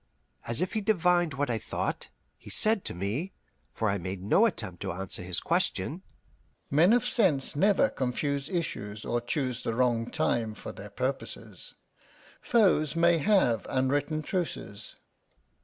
As if he divined what I thought, he said to me for I made no attempt to answer his question: "Men of sense never confuse issues or choose the wrong time for their purposes. Foes may have unwritten truces."